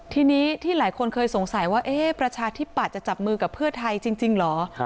ทีนี้ที่หลายคนเคยสงสัยว่าประชาธิปัตย์จะจับมือกับเพื่อไทยจริงเหรอ